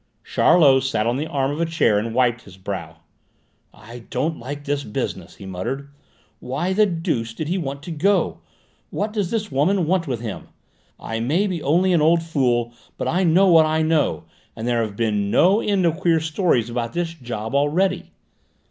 Charlot sat on the arm of a chair and wiped his brow. "I don't like this business," he muttered. "Why the deuce did he want to go? What does this woman want with him? I may be only an old fool, but I know what I know, and there have been no end of queer stories about this job already."